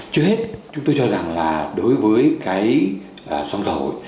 trước hết chúng tôi cho rằng là đối với xăng dầu